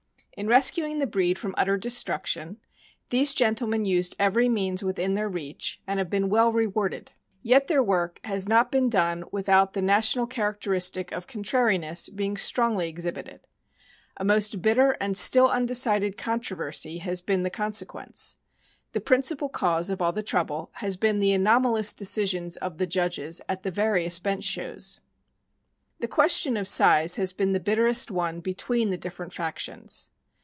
In res cuing the breed from utter destruction, these gentlemen used every means within their reach, and have been well rewarded; (413) 414 THE AMERICAN BOOK OF THE DOG. yet their work has not been done without the national characteristic of contrariness being strongly exhibited. A most bitter and still undecided controversy has been the con sequence. The principal cause of all the trouble has been the anomalous decisions of the judges at the various bench shows. The question of size has been the bitterest one between the different factions.